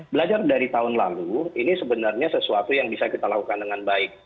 belajar dari tahun lalu ini sebenarnya sesuatu yang bisa kita lakukan dengan baik